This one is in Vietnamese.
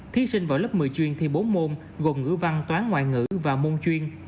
thí sinh vào lớp một mươi chuyên thi bốn môn gồm ngữ văn toán ngoại ngữ và môn chuyên